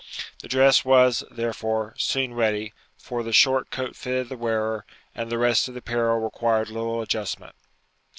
The dress was, therefore, soon ready, for the short coat fitted the wearer, and the rest of the apparel required little adjustment.